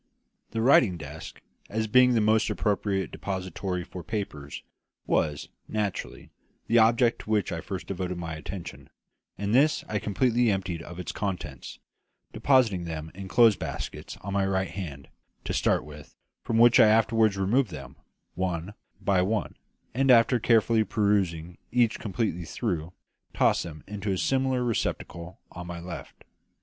The writing desk, as being the most appropriate depository for papers, was, naturally, the object to which I first devoted my attention; and this I completely emptied of its contents, depositing them in a clothes basket on my right hand, to start with, from which I afterwards removed them, one by one, and after carefully perusing each completely through, tossed them into a similar receptacle on my left.